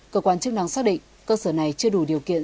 cơ quan chức năng xác định cơ sở này chưa đủ điều kiện